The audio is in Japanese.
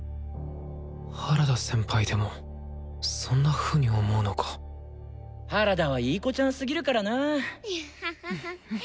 原田先輩でもそんなふうに思うのか原田はいい子ちゃんすぎるからなぁ。